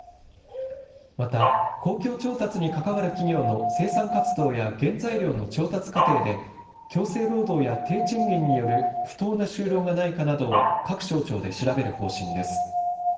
また、公共調達に関わる企業の生産活動や原材料の調達過程で、強制労働や低賃金による不当な就労がないかなどを各省庁で調べる方針です。